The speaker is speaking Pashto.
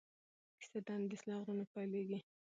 کیسه د اندلس له غرونو پیلیږي.